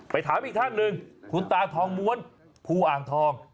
ถามอีกท่านหนึ่งคุณตาทองม้วนภูอ่างทอง